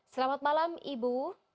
selamat malam ibu